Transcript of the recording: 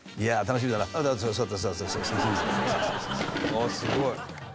ああすごい！